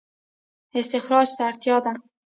استخراج ته اړتیا ده